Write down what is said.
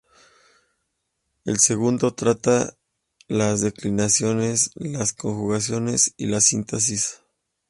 El segundo trata las declinaciones, las conjugaciones y la sintaxis.